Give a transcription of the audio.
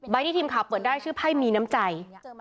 ที่ทีมข่าวเปิดได้ชื่อไพ่มีน้ำใจ